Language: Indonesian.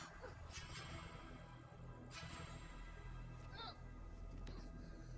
mak mana masalahnya